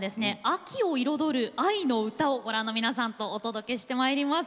「秋を彩る愛の歌」をご覧の皆さんとお届けしてまいります。